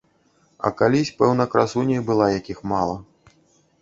А калісь, пэўна, красуняй была, якіх мала.